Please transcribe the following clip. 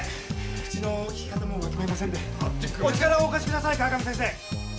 口のきき方もわきまえませんでお力をお貸しください川上先生！